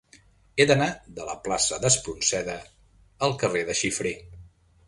He d'anar de la plaça d'Espronceda al carrer de Xifré.